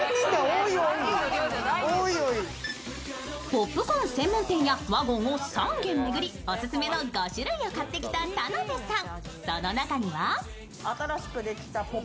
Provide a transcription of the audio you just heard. ポップコーン専門店やワゴンを３軒巡りオススメの５種類を買ってきた田辺さん。